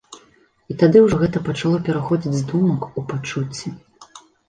І тады ўжо гэта пачало пераходзіць з думак у пачуцці.